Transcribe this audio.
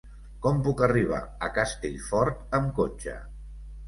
Com puc arribar a Castellfort amb cotxe?